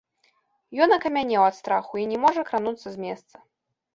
Ён акамянеў ад страху і не можа крануцца з месца.